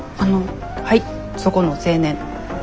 はいそこの青年。